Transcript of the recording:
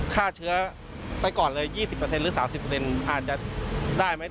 ฆ่าเชื้อไปก่อนเลย๒๐หรือ๓๐อาจจะได้ไหม